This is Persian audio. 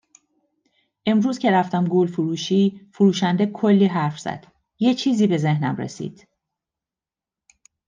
امروز که رفتم گلفروشی، فروشنده کلی حرف زد، یه چیزی به ذهنم رسید